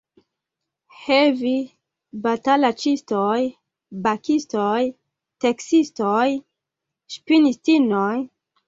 He vi, batalaĉistoj, bakistoj, teksistoj, ŝpinistinoj!